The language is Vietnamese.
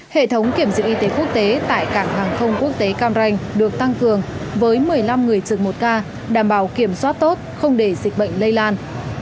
hệ thống kiểm dịch y tế quốc tế tại cảng hàng không quốc tế cam ranh được tăng cường với một mươi năm người trực một ca đảm bảo kiểm soát tốt không để dịch bệnh lây lan